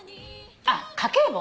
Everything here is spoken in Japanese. あっ家計簿？